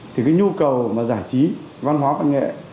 thì cái nhu cầu mà giải trí văn hóa văn nghệ